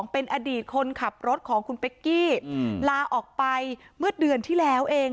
เป็นอดีตคนขับรถของคุณเป๊กกี้ลาออกไปเมื่อเดือนที่แล้วเอง